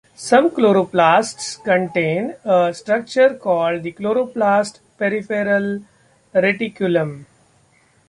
Some chloroplasts contain a structure called the chloroplast peripheral reticulum.